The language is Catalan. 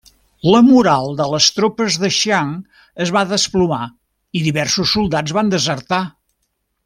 La moral de les tropes de Xiang es va desplomar i diversos soldats van desertar.